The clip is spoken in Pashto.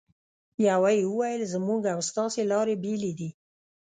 یوه یې وویل: زموږ او ستاسې لارې بېلې دي.